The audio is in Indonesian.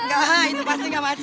gak itu pasti gak macet